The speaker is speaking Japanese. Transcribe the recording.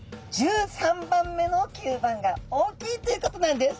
１３番目の吸盤が大きいということなんです。